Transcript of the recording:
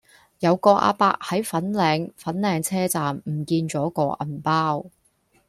有個亞伯喺粉嶺粉嶺車站路唔見左個銀包